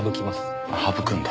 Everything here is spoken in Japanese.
省くんだ。